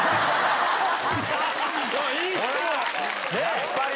やっぱり！